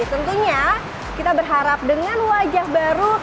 tentunya kita berharap dengan wajah baru